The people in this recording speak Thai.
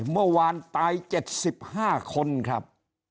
เมื่อวานตาย๗๕คนครับ